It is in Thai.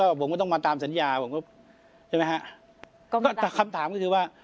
ผมก็ต้องมาตามสัญญาผมก็ใช่ไหมฮะก็คำถามก็คือว่า